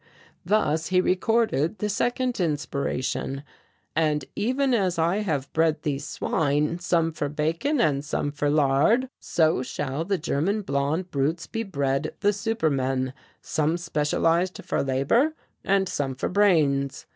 "Thus he recorded the second inspiration: 'And even as I have bred these swine, some for bacon and some for lard, so shall the German Blond Brutes be bred the super men, some specialized for labour and some for brains.'